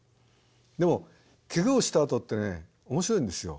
でもケガをしたあとってね面白いんですよ。